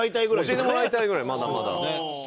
教えてもらいたいぐらいまだまだ。